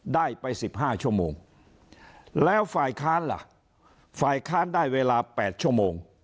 ได้ไป๑๕ชั่วโมงแล้วฝ่ายค้านล่ะฝ่ายค้านได้เวลา๘ชั่วโมง